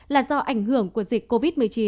là do ảnh hưởng của dịch covid một mươi chín